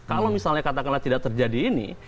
kalau misalnya katakanlah tidak terjadi ini